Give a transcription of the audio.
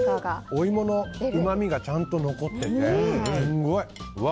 お芋のうまみがちゃんと残ってて、すごい。